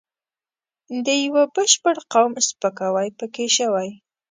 د یوه بشپړ قوم سپکاوی پکې شوی.